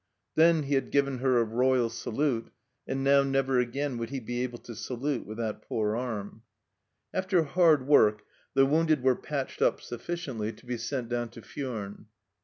Then he VARIED LIFE IN PERVYSE 155 had given her a royal salute, and now never again would he be able to salute with that poor arm. After hard work, the wounded were patched up sufficiently to be sent down to Furnes.